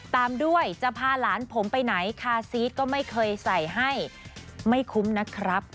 ตามด้วยจะพาหลานผมไปไหนคาซีสก็ไม่เคยใส่ให้ไม่คุ้มนะครับ